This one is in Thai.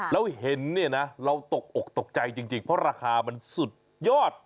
แล้วเห็นเนี่ยนะเราตกอกตกใจจริงเพราะราคามันสุดยอด